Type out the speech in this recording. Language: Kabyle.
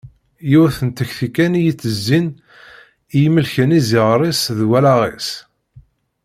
Yiwet n tekti kan i yettezin i imelken iziɣer-is d wallaɣ-is.